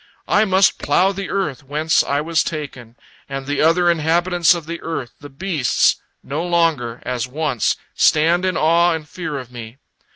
I must plough the earth whence I was taken, and the other inhabitants of the earth, the beasts, no longer, as once, stand in awe and fear of me.